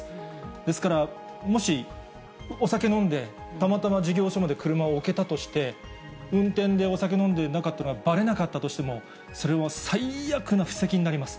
ですから、もしお酒飲んで、たまたま事業所まで車を置けたとして、運転でお酒飲んでなかったらばれなかったとしても、それは最悪な布石になります。